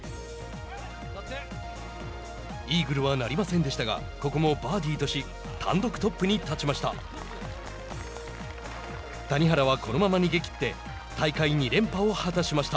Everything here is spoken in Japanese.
イーグルはなりませんでしたがここもバーディーとし単独トップに立ちました。